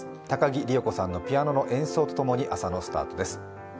高木里代子さんのピアノの演奏と共に朝のスタートです。